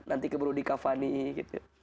nanti keburu di kavani gitu